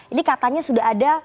ini katanya sudah ada